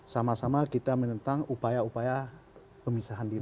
sama sama kita menentang upaya upaya pemisahan diri